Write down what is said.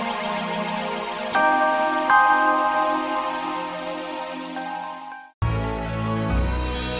di balik dinding ini